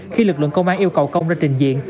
khi lực lượng công an yêu cầu công ra trình diện